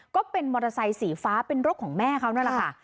ก็เป็นมอเตอร์ไซค์สีฟ้าเป็นรถของแม่เขานั่นแหละค่ะ